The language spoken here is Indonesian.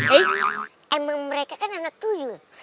emang mereka kan anak tuyul